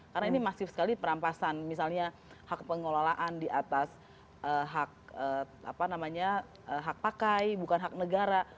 karena ini masih sekali perampasan misalnya hak pengelolaan di atas hak pakai bukan hak negara